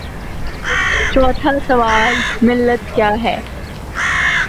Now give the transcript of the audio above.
چوتھا سوال: ملت کیاہے؟